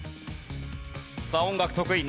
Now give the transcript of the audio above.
さあ音楽得意。